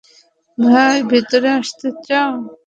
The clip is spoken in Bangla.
ভাই, ভিতরে আসতে চাও?